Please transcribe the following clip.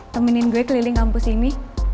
temenin gue keliling kampus ini